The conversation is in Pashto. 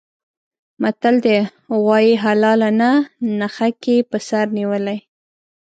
متل دی: غوایه حلال نه نښکي په سر نیولي.